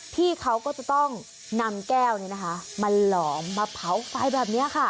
ที่เขาก็จะต้องนำแก้วเนี้ยนะคะมาหล่อมมาเผาไฟแบบเนี้ยค่ะ